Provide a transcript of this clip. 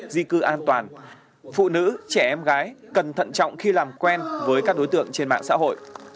di cư an toàn phụ nữ trẻ em gái cần thận trọng khi làm quen với các đối tượng trên mạng xã hội